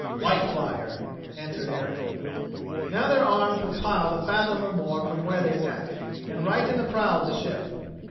"Whitefire," answered Eric. Now, their arms were piled a fathom or more from where they sat, and right in the prow of the ship.